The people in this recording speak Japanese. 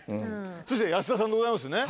そして安田さんでございますね。